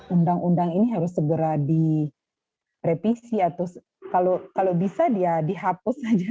undang undang ini harus segera direvisi atau kalau bisa ya dihapus saja